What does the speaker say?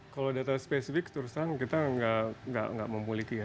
kalau data spesifik terus terang kita nggak memiliki ya